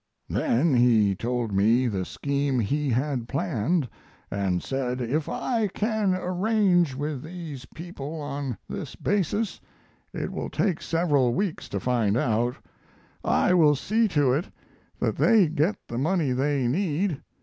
Then he told me the scheme he had planned and said: "If I can arrange with these people on this basis it will take several weeks to find out I will see to it that they get the money they need.